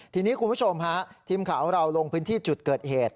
ทีนี้คุณผู้ชมฮะทีมข่าวของเราลงพื้นที่จุดเกิดเหตุ